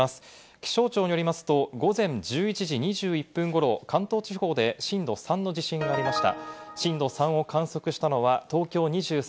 気象庁によりますと午前１１時２１分頃、関東地方で震度３の地震がありました。